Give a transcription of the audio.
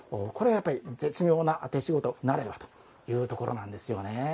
これはやっぱり絶妙な手仕事なればというところなんですよね。